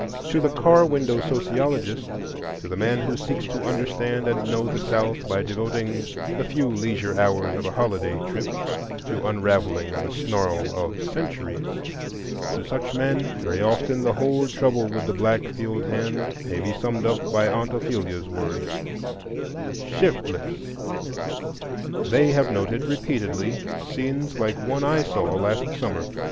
To the car window sociologist, to the man who seeks to understand and know the South by devoting the few leisure hours of a holiday trip to unravelling the snarl of centuries,—to such men very often the whole trouble with the black field hand may be summed up by Aunt Ophelia's word, "Shiftless!" They have noted repeatedly scenes like one I saw last summer.